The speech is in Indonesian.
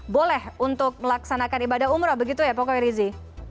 boleh untuk melaksanakan ibadah umroh begitu ya pak koi rizi